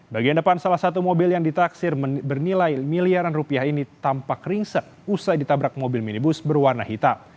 bagian depan salah satu mobil yang ditaksir bernilai miliaran rupiah ini tampak ringsek usai ditabrak mobil minibus berwarna hitam